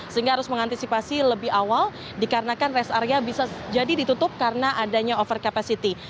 sehingga harus mengantisipasi lebih awal dikarenakan rest area bisa jadi ditutup karena adanya over capacity